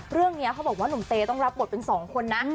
เรื่องนี้เขาบอกว่าหนุ่มเตต้องรับบทเป็น๒คนนะ